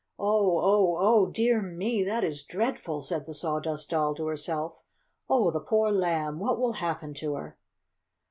"Oh! Oh! Oh, dear me! That is dreadful!" said the Sawdust Doll to herself. "Oh, the poor Lamb! What will happen to her?"